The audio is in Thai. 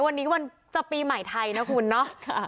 วันนี้วันจะปีใหม่ไทยนะคุณเนาะ